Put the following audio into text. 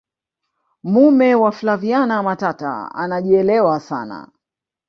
mume wa flaviana matata anaejielewa sana